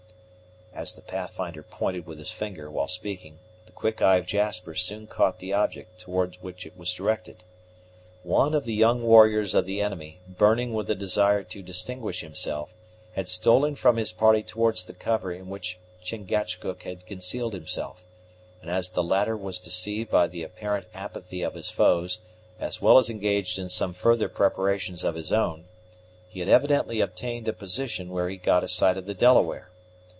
As the Pathfinder pointed with his finger while speaking, the quick eye of Jasper soon caught the object towards which it was directed. One of the young warriors of the enemy, burning with a desire to distinguish himself, had stolen from his party towards the cover in which Chingachgook had concealed himself; and as the latter was deceived by the apparent apathy of his foes, as well as engaged in some further preparations of his own, he had evidently obtained a position where he got a sight of the Delaware.